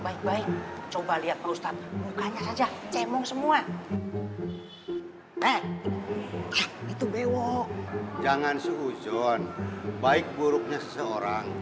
baik baik coba lihat makanya aja cemung semua itu bewo jangan sujon baik buruknya seseorang